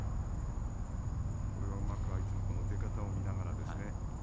これがうまく相手の出方を見ながらですね